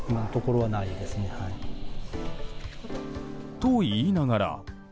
と、言いながら。